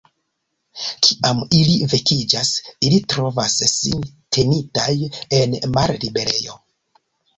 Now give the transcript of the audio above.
Kiam ili vekiĝas, ili trovas sin tenitaj en malliberejo.